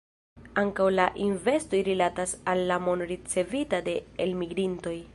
Ankaŭ la investoj rilatas al la mono ricevita de elmigrintoj.